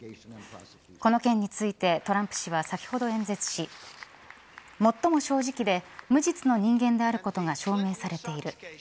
この件についてトランプ氏は先ほど演説し最も正直で無実の人間であることが証明されている。